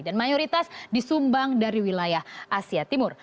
dan mayoritas disumbang dari wilayah asia timur